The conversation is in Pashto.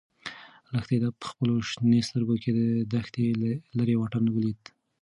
لښتې په خپلو شنه سترګو کې د دښتې لیرې واټن ولید.